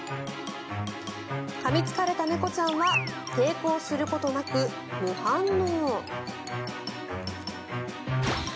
かみつかれた猫ちゃんは抵抗することなく無反応。